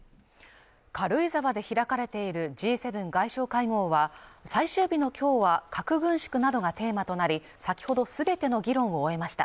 軽井沢で開かれているＧ７外相会合は、最終日の今日は、核軍縮などがテーマとなり、先ほど全ての議論を終えました。